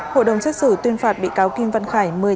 hội đồng xét xử tuyên phạt bị cáo kim văn khải